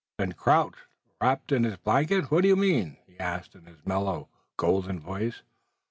"Den! Crouch! Wrapped in his blanket! What do you mean?" he asked in his mellow, golden voice.